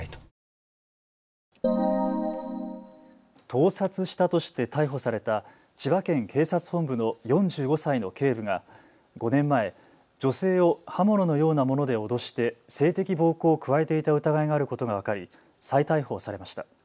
盗撮したとして逮捕された千葉県警察本部の４５歳の警部が５年前、女性を刃物のようなもので脅して性的暴行を加えていた疑いがあることが分かり再逮捕されました。